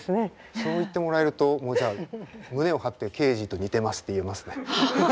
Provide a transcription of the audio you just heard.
そう言ってもらえるともうじゃあ胸を張ってケージと似てますって言えますね。